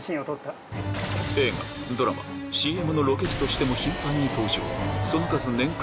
映画ドラマＣＭのロケ地としても頻繁に登場その数年間